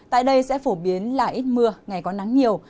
tại đây sẽ phổ biến là ít mưa ngày có nắng nhiều